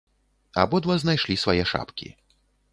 Абодва знайшлі свае шапкі.